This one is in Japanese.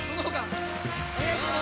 お願いします。